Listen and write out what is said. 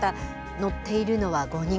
乗っているのは５人。